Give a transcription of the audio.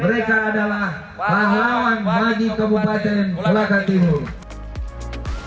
mereka adalah pahlawan bagi kebupaten kolaka timur